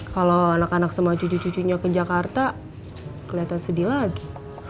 kalau anak anak sama cucu cucunya ke jakarta kelihatan sedih lagi